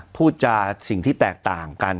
พูดจาสิ่งที่แตกต่างกัน